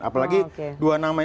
apalagi dua nama ini